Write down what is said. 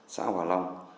xã hòa long